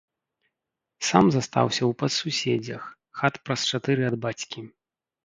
Сам застаўся ў падсуседзях, хат праз чатыры ад бацькі.